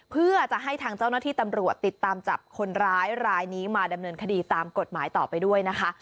เพื่อจะให้ทางเจ้าหน้าที่ตำรวจติดตามจับคนร้ายรายนี้มาดำเนินคดีตามกฎหมายต่อไปด้วยนะคะ